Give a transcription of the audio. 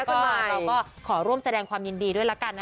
กันมาเราก็ขอร่วมแสดงความยินดีด้วยละกันนะ